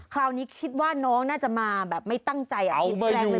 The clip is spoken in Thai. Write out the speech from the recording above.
คราวนี้คิดว่าน้องน่าจะมาแบบไม่ตั้งใจอ่ะเอามาอยู่อ่ะ